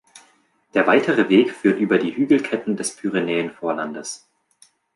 Der weitere Weg führt über die Hügelketten des Pyrenäen-Vorlandes.